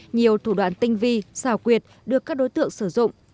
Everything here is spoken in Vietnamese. nhiều thủ đoạn tinh vi xào quyệt được các đối tượng sử dụng